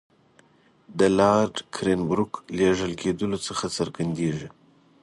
د لارډ کرېنبروک لېږل کېدلو څخه څرګندېږي.